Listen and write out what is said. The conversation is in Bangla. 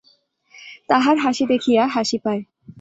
তাহার হাসি দেখিয়া হাসি পায়।